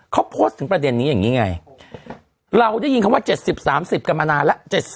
เขาโพสต์ถึงประเด็นนี้อย่างนี้ไงเราได้ยินคำว่า๗๐๓๐กันมานานแล้ว